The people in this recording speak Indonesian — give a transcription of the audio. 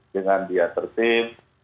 dengan dia tertib